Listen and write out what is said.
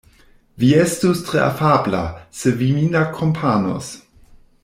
Vi estus tre afabla, se vi min akompanus.